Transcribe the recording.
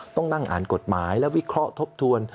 ต้องนั่งอ่านกฎหมายและวิเคราะห์ทบทวน